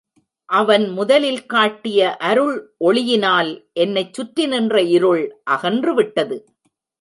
அவன் முதலில் காட்டிய அருள் ஒளியினால் என்னைச் சுற்றி நின்ற இருள் அகன்றுவிட்டது.